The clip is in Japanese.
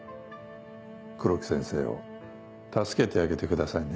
黒木先生を助けてあげてくださいね。